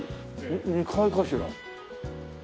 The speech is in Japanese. ２階かしら？